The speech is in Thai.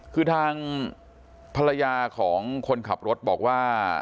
คือทางภรรยาของคนขับรถบอกว่า